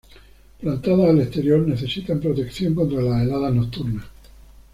Plantadas al exterior, necesitan protección contra las heladas nocturnas.